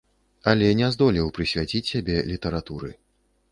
Але не здолеў прысвяціць сябе літаратуры.